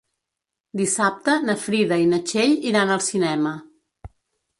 Dissabte na Frida i na Txell iran al cinema.